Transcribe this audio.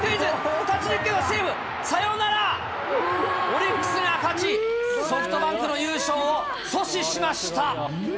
オリックスが勝ち、ソフトバンクの優勝を阻止しました。